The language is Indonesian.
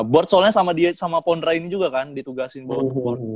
board soalnya sama dia sama pondra ini juga kan ditugasin buat board